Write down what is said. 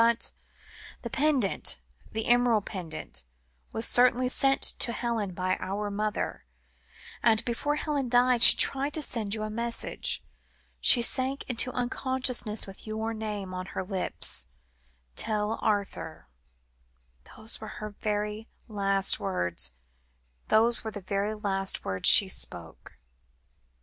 But the pendant, the emerald pendant, was certainly sent to Helen by our mother; and before Helen died, she tried to send you a message. She sank into unconsciousness with your name on her lips 'Tell Arthur' those were the very last words she spoke."